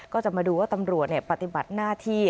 ก็จะมาดูว่าตำรวจปฏิบัติหน้าที่